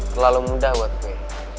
terlalu mudah buat gue